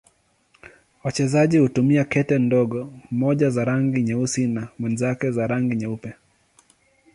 Wachezaji hutumia kete ndogo, mmoja za rangi nyeusi na mwenzake za rangi nyeupe.